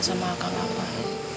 sama akan abah